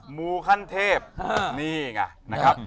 มูขั้นเทพนี่ไงนะครับ